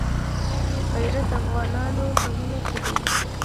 غیرت د افغانانو په وینو کې دی.